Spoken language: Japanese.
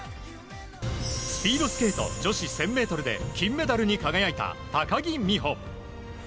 スピードスケート女子１０００ｍで金メダルに輝いた高木美帆。